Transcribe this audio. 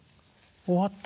終わった。